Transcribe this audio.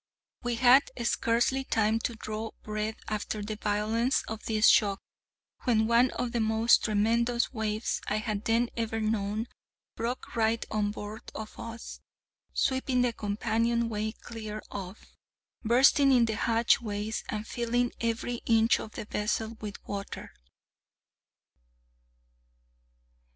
We had scarcely time to draw breath after the violence of this shock, when one of the most tremendous waves I had then ever known broke right on board of us, sweeping the companion way clear off, bursting in the hatchways, and filling every inch of the vessel with water.